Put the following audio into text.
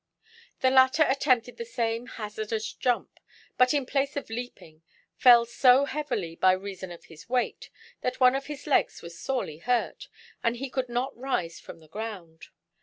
The latter attempted the same hazardous jump, but in place of leaping, fell so heavily by reason of his weight, that one of his legs was sorely hurt, and he could not rise from the ground.